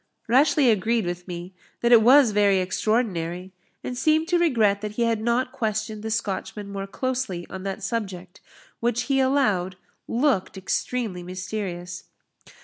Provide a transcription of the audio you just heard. Rashleigh agreed with me, that it was very extraordinary, and seemed to regret that he had not questioned the Scotchman more closely on that subject, which he allowed looked extremely mysterious.